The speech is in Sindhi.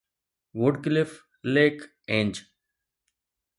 Woodcliff Lake Ange